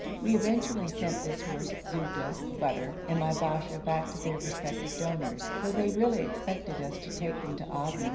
We eventually sent this horse, Zubda (butter), and my Basha back to their respective donors, though they really expected us to take them to Aden.